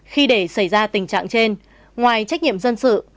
khi để xảy ra tình trạng trên ngoài trách nhiệm dân sự